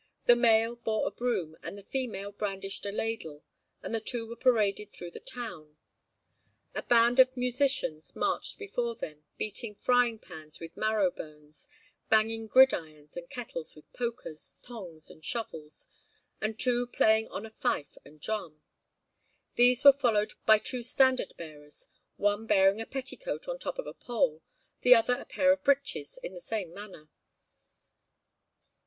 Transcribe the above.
The male bore a broom, and the female brandished a ladle, and the two were paraded through the town. A band of 'musicians' marched before them, beating frying pans with marrow bones, banging gridirons and kettles with pokers, tongs and shovels, and two playing on a fife and drum. These were followed by two standard bearers, one bearing a petticoat on top of a pole, the other a pair of breeches in the same manner.